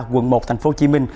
quận một tp hcm